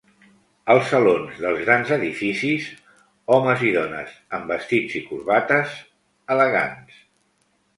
Als salons dels grans edificis, homes i dones amb vestits i corbates elegants.